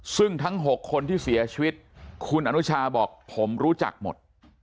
ซึ่งทั้ง๖คนที่เสียชีวิตคุณอนุชาบอกผมรู้จักหมด